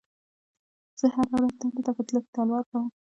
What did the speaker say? زه هره ورځ دندې ته په تللو کې تلوار کوم.